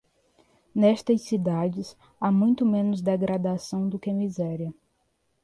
Nestas cidades, há muito menos degradação do que miséria.